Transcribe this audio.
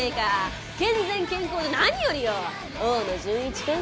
健全健康で何よりよ多野潤一くん。